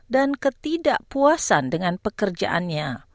dan ketidakpuasan dengan pekerjaannya